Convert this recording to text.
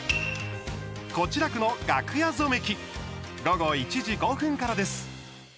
「小痴楽の楽屋ぞめき」午後１時５分からです。